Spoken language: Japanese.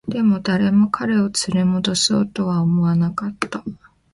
でも、誰も彼を連れ戻そうとは思わなかった